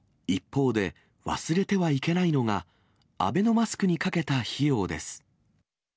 一方で、忘れてはいけないのが、アベノマスクにかけた費用です。